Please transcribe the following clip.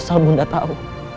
asal bunda tahu